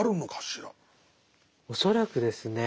恐らくですね